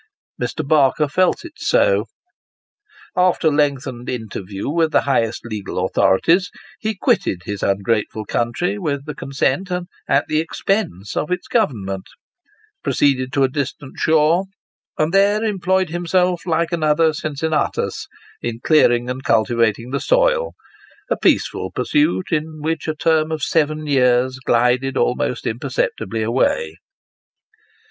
Mr. Barker felt it so. After a lengthened interview with the highest legal authorities, he quitted his ungrateful country, with the consent, and at the expense, of its Government ; proceeded to a distant shore ; and there employed himself, like another Cincinnatus, in clearing and cultivating the soil a peaceful pursuit, in which a term of seven years glided almost imperceptibly away.